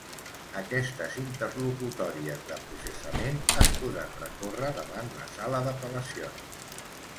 Aquestes interlocutòries de processament es podran recórrer davant la sala d’apel·lacions.